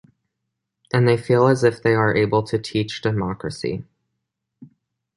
And they feel as if they are able to teach democracy.